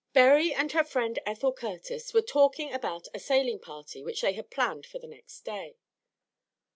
Berry and her friend Ethel Curtis were talking about a sailing party which they had planned for the next day.